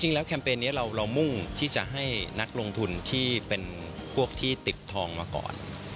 แคมเปญนี้เรามุ่งที่จะให้นักลงทุนที่เป็นพวกที่ติดทองมาก่อน